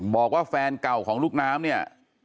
บอกว่าแฟนเก่าของลูกน้ำเนี่ย